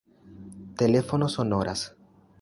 Telefono sonoras